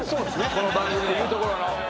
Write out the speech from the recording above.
この番組で言うところの。